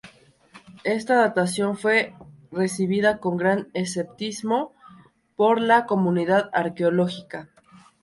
Esta datación fue recibida con gran escepticismo por la comunidad arqueológica.